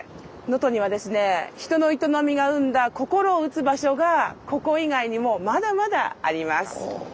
能登にはですね人の営みが生んだ心を打つ場所がここ以外にもまだまだあります。